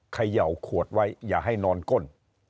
เขย่าขวดไว้อย่าให้นอนก้น